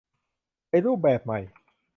ในรูปแบบใหม่